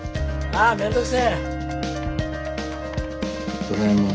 あ面倒くせえ！